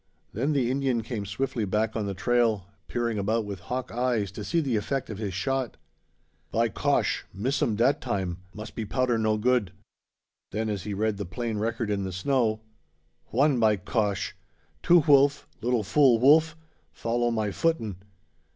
Then the Indian came swiftly back on the trail, peering about with hawk eyes to see the effect of his shot. "By cosh! miss um dat time. Mus' be powder no good." Then, as he read the plain record in the snow, "One, by cosh! two hwulf, lil fool hwulf, follow my footin'.